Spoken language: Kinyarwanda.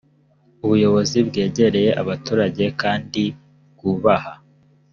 ubuyobozi bwegereye abaturage kandi bwubaha